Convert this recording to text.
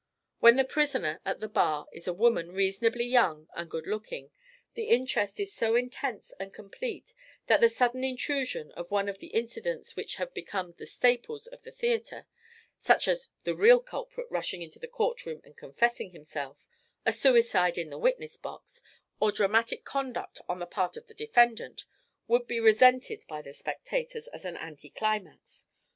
When the prisoner at the bar is a woman reasonably young and good looking, the interest is so intense and complete that the sudden intrusion of one of the incidents which have become the staples of the theatre, such as the real culprit rushing into the courtroom and confessing himself, a suicide in the witness box, or dramatic conduct on the part of the defendant, would be resented by the spectators, as an anti climax.